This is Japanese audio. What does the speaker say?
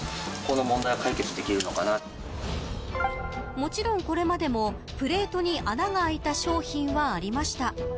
もちろんこれまでもプレートに穴が開いた商品はありました。